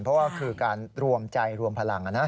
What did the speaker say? เพราะว่าคือการรวมใจรวมพลัง